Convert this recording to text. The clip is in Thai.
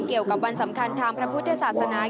เกี่ยวกับวันสำคัญทางพระพุทธศาสนา